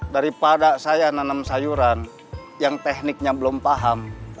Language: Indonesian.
daripada saya nanam sayuran yang tekniknya belum paham